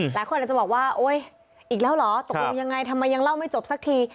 หลายคนอาจจะบอกว่าโอ๊ยอีกแล้วเหรอตกลงยังไงทำไมยังเล่าไม่จบสักที